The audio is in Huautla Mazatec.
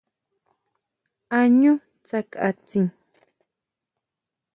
A ʼñú tsakʼa tsjí?